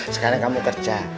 sekarang kamu kerja